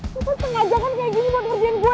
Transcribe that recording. lu kan sengaja kan kayak gini buat perjuangin gue